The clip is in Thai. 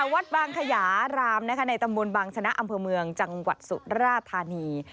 วัดบางขยารามในตำบลบางชนะอำเภอเมืองจังหวัดสุราธานี